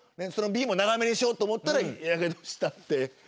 そのＢも長めにしようと思ったらやけどしたって。